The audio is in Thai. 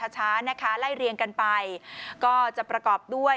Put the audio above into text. ช้านะคะไล่เรียงกันไปก็จะประกอบด้วย